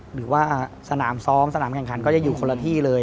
หรือว่าสนามซ้อมสนามแข่งขันก็จะอยู่คนละที่เลย